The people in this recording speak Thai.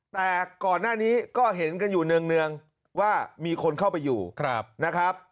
แต่ก่อนหน้านี้ก็เห็นกันอยู่เนื่องว่ามีคนเข้าไปอยู่นะครับ